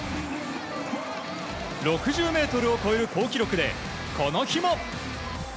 ６０ｍを超える好記録でこの日も。